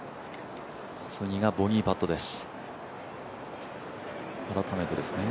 次がボギーパットです。